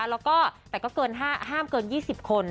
แล้วก็แต่ก็เกินห้ามเกิน๒๐คน